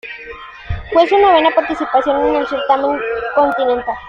Fue su novena participación en el certamen continental.